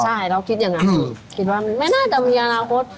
ใช่เราคิดอย่างนั้นคิดว่ามันไม่น่าจะมีอนาคต